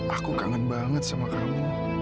aku kangen banget sama kamu